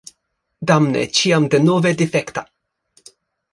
Damne, ĉiam denove difekta!